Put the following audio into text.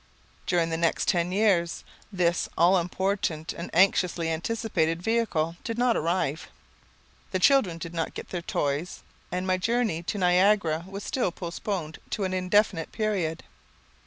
During the next ten years, this all important and anxiously anticipated vehicle did not arrive. The children did not get their toys, and my journey to Niagara was still postponed to an indefinite period.